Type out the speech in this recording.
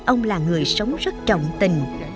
ông là người sống rất trọng đồng